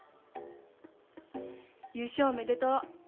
優勝おめでとう。